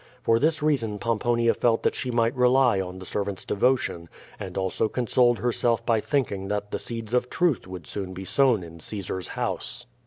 For this reason Pomponia felt that she might rely on the servants' devotion, and also consoled herself by thinking that the seeds of truth would soon be sown in Caesar's house.